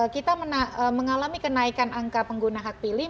kita mengalami kenaikan angka pengguna hak pilih